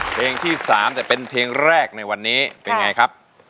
เพลงที่๓แต่เป็นเพลงแรกในวันนี้เป็นไงครับ